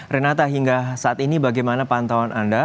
renata hingga saat ini bagaimana pantauan anda